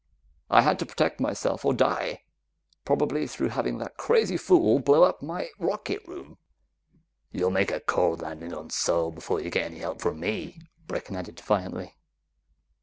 I had to protect myself or die probably through having that crazy fool blow up my rocket room." "You'll make a cold landing on Sol before you'll get any help from me!" Brecken added defiantly.